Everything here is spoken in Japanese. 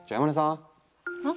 うん？